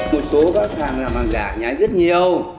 một số các hàng là hàng giả nhái rất nhiều